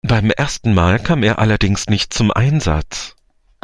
Beim ersten Mal kam er allerdings nicht zum Einsatz.